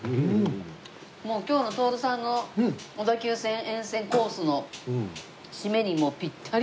もう今日の徹さんの小田急線沿線コースの締めにピッタリ！